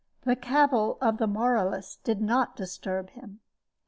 The cavil of the moralist did not disturb him."